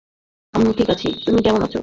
আম্মু ঠিক আছি, তুমি কেমন আছো?